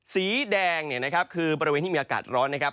สีแดงคือบริเวณที่มีอากาศร้อน